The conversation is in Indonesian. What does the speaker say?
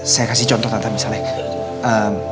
saya kasih contoh misalnya